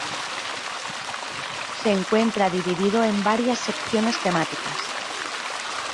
Se encuentra dividido en varias secciones temáticas.